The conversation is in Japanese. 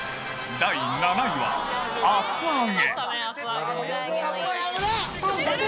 第７位は厚揚げ。